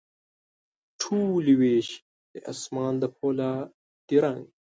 ټولي ویشي د اسمان د پولا دي رنګ،